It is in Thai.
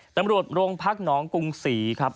ตำรวจโรงพักหนองกรุงศรีครับ